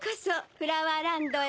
フラワーランドへ。